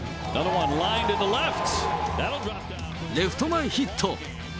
レフト前ヒット。